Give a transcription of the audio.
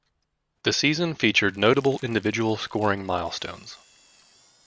The season featured notable individual scoring milestones.